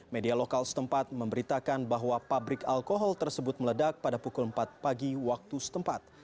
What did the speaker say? media lokal setempat memberitakan bahwa pabrik alkohol tersebut meledak pada pukul empat pagi waktu setempat